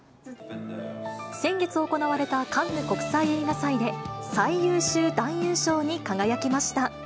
先月行われたカンヌ国際映画祭で、最優秀男優賞に輝きました。